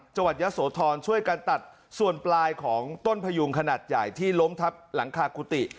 จังหวัดยะโสธรช่วยกันตัดส่วนปลายของต้นพยุงขนาดใหญ่ที่ล้มทับหลังคากุฏิ